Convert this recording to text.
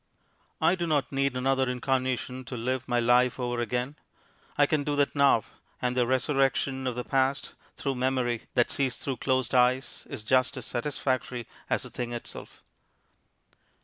I do not need another incarnation to live my life over again. I can do that now, and the resurrection of the past, through memory, that sees through closed eyes, is just as satisfactory as the thing itself.